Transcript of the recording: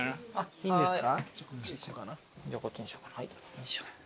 いいですか？